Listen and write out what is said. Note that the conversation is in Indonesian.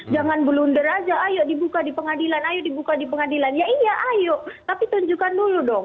jangan blunder aja ayo dibuka di pengadilan ayo dibuka di pengadilan ya iya ayo tapi tunjukkan dulu dong